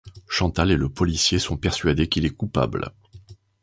Chantal et le policier sont persuadés qu'il est coupable...